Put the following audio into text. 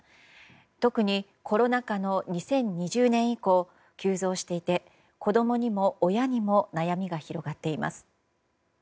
特にコロナ禍の２０２０年以降急増していて子供にも親にも悩みが広がっています。